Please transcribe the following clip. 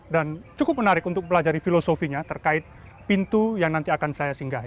dan cukup menarik untuk belajar filosofinya terkait pintu yang nanti akan saya singgahi